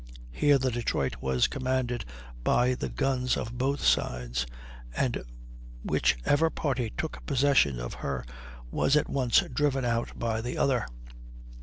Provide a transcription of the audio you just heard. Here the Detroit was commanded by the guns of both sides, and which ever party took possession of her was at once driven out by the other.